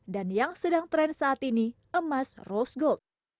yang sedang tren saat ini emas rose gold